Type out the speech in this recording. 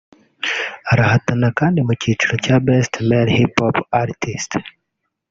arahatana kandi mu cyiciro cya Best Male Hip Hop Artist